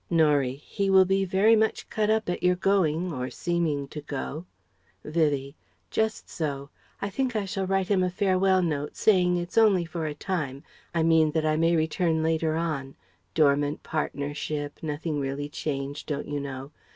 Norie: "He will be very much cut up at your going or seeming to go." Vivie: "Just so. I think I shall write him a farewell note, saying it's only for a time: I mean, that I may return later on dormant partnership nothing really changed, don't you know?